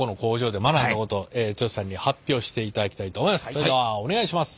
それではお願いします。